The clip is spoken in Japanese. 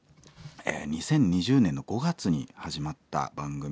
２０２０年の５月に始まった番組です。